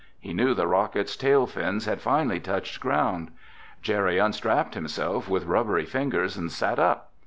He knew the rocket's tail fins had finally touched ground. Jerry unstrapped himself with rubbery fingers and sat up.